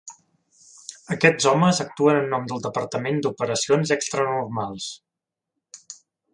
Aquests homes actuen en nom del Departament d'operacions extranormals.